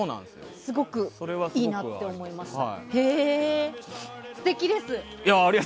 すごくいいなと思いました。